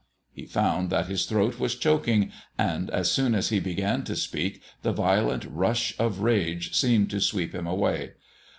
He found that his throat was choking, and as soon as he began to speak the violent rush of rage seemed to sweep him away.